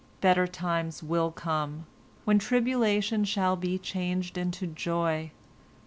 Better times will come, when tribulation shall be changed into joy.